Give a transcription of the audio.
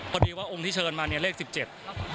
พอดีว่าองค์ที่เชิญมาเนี่ยเลขสิบเจ็ด